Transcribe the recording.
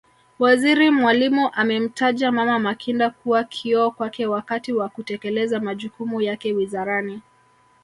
Waziri Mwalimu amemtaja Mama Makinda kuwa kioo kwake wakati wa kutekeleza majukumu yake Wizarani